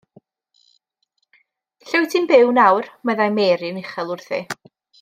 Lle wyt ti'n byw nawr, meddai Mary yn uchel wrthi.